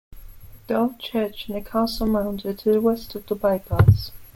The old church and the castle mound are to the west of the bypass.